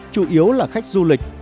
chủ yếu là khách du lịch